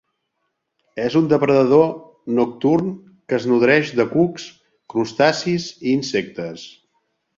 És un depredador nocturn que es nodreix de cucs, crustacis i insectes.